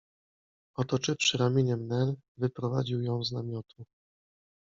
Otoczywszy ramieniem Nel, wyprowadził ją z namiotu.